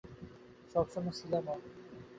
সব সময় ছিলামও।